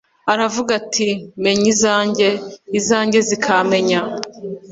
Aravuga ati: "menya izanjye, izanjye zikamenya,